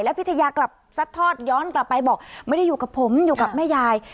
พิทยากลับซัดทอดย้อนกลับไปบอกไม่ได้อยู่กับผมอยู่กับแม่ยาย